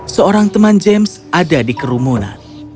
seorang teman james ada di kerumunan